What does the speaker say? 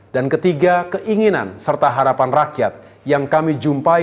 dan ketiga keinginan serta harapan rakyat yang kami jumlahkan